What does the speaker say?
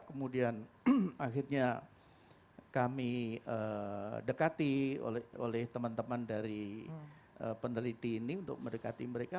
kemudian akhirnya kami dekati oleh teman teman dari peneliti ini untuk mendekati mereka